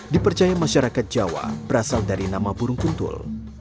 dipercaya masyarakat jawa berasal dari nama burung kuntul